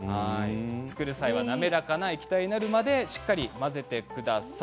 作る際は滑らかな液体になるまでしっかり混ぜてください。